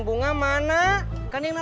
bunga aku mau ke rumah